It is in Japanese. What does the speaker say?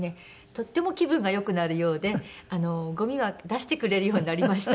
とっても気分が良くなるようでごみは出してくれるようになりました。